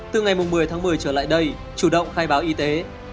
từ ngày một mươi tháng một mươi trở lại đây chủ động khai báo y tế